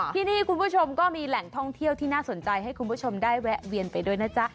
ที่นี่คุณผู้ชมก็มีแหล่งท่องเที่ยวที่น่าสนใจให้คุณผู้ชมได้แวะเวียนไปด้วยนะจ๊ะ